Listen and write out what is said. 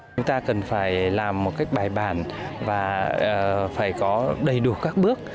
chúng ta cần phải làm một cách bài bản và phải có đầy đủ các bước